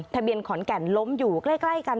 ทะเบียนขอนแก่นล้มอยู่ใกล้กัน